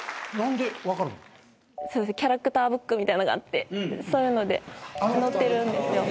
キャラクターブックみたいのがあってそういうので載ってるんですよ。